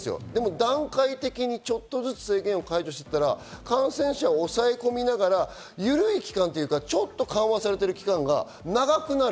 段階的にちょっとずつ解除していったら、感染者を抑え込みながら、ゆるい期間というか、ちょっと緩和されてる期間が長くなる。